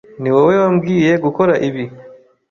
Niwowe wambwiye gukora ibi.